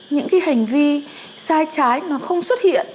những cái hành vi sai trái nó không xuất hiện